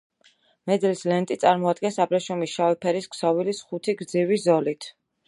მედლის ლენტი წარმოადგენს აბრეშუმის შავი ფერის ქსოვილის, ხუთი გრძივი ზოლით.